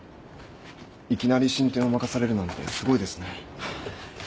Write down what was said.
いきなり新店を任されるなんてすごいですね。